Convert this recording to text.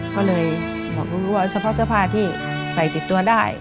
ก็เลยบอกรู้ว่าเฉพาะเสื้อผ้าที่ใส่ติดตัวได้